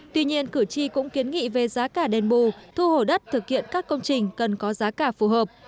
tuy nhiên cử tri cũng kiến nghị về giá cả đền bù thu hồ đất thực hiện các công trình cần có giá cả phù hợp